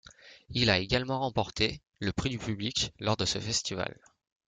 Il a également remporté le prix du public lors de ce festival.